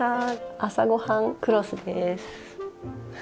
「朝ごはんクロス」です。